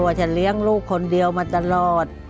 ฉันเลี้ยงลูกคนเดียวมาตลอด